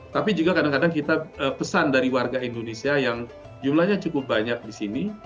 tapi juga kadang kadang kita pesan dari warga indonesia yang jumlahnya cukup banyak di sini